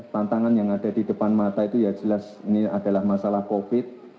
tantangan yang ada di depan mata itu ya jelas ini adalah masalah covid